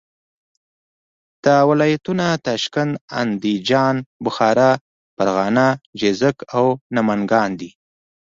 دا ولایتونه تاشکند، اندیجان، بخارا، فرغانه، جیزک او نمنګان دي.